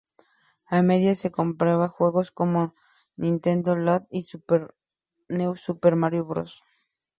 A medida que se completaban juegos como "Nintendo Land" y "New Super Mario Bros.